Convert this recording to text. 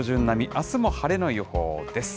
あすも晴れの予報です。